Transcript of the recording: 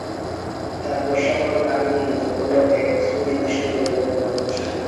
তারপর সকল পানি মিলিত হলো এক সুনির্দিষ্ট পরিকল্পনা অনুসারে।